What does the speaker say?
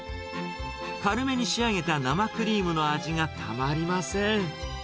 軽めに仕上げた生クリームの味がたまりません。